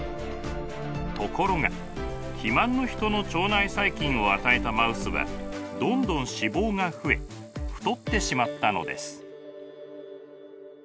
ところが肥満のヒトの腸内細菌を与えたマウスはどんどん脂肪が増え太ってしまったのです。